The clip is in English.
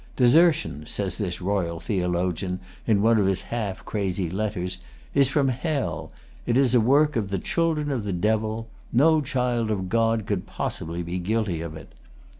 "Desertion," says this royal theologian, in one of his half crazy letters, "is from hell. It is a work of the children of the Devil. No child of God could possibly be guilty of it."